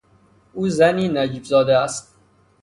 او زنی نجیب زاده است.